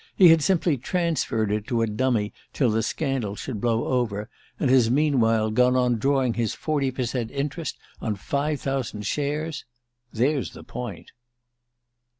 he had simply transferred it to a dummy till the scandal should blow over, and has meanwhile gone on drawing his forty per cent interest on five thousand shares? There's the point."